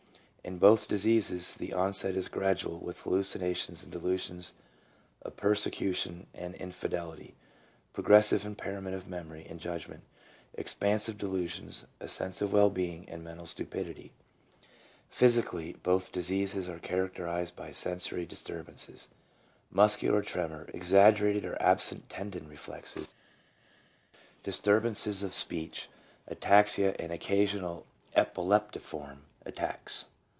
In both diseases the onset is gradual with hallucinations and delusions of persecution and in fidelity, progressive impairment of memory and judgment, expansive delusions, a sense of well being and mental stupidity. Physically, both diseases are characterized by sensory disturbances, muscular tremor, exaggerated or absent tendon reflexes, dis 272 PSYCHOLOGY OF ALCOHOLISM. turbances of speech, ataxia and occasional epileptiform attacks.